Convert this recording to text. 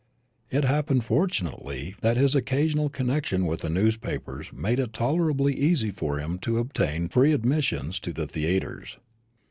It happened fortunately that his occasional connection with the newspapers made it tolerably easy for him to obtain free admissions to theatres.